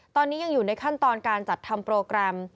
ตอนนี้ยังอยู่ในขั้นตอนการจัดทำโปรแกรม